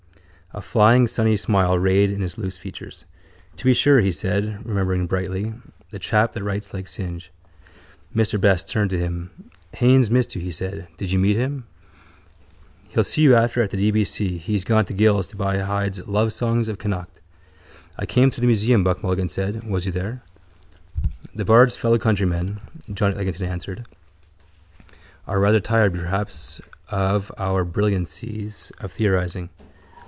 A flying sunny smile rayed in his loose features. —To be sure, he said, remembering brightly. The chap that writes like Synge. Mr Best turned to him. —Haines missed you, he said. Did you meet him? He'll see you after at the D. B. C. He's gone to Gill's to buy Hyde's Lovesongs of Connacht. —I came through the museum, Buck Mulligan said. Was he here? —The bard's fellowcountrymen, John Eglinton answered, are rather tired perhaps of our brilliancies of theorising.